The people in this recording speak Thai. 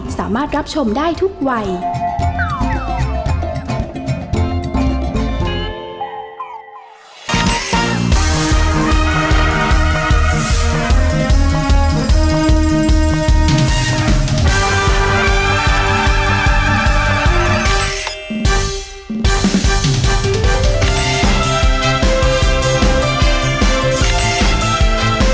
แม่บ้านมันจำปันสวัสดีค่ะ